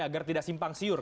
agar tidak simpang siur